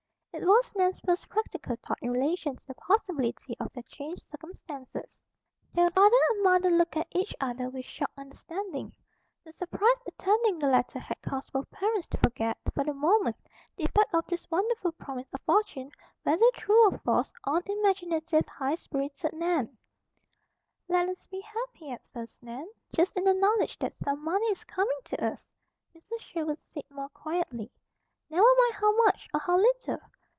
It was Nan's first practical thought in relation to the possibility of their changed circumstances. The father and mother looked at each other with shocked understanding. The surprise attending the letter had caused both parents to forget, for the moment, the effect of this wonderful promise of fortune, whether true or false, on imaginative, high spirited Nan. "Let us be happy at first, Nan, just in the knowledge that some money is coming to us," Mrs. Sherwood said more quietly. "Never mind how much, or how little.